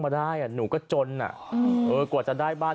มาได้อ่ะหนูก็จนอ่ะเออกว่าจะได้บ้าน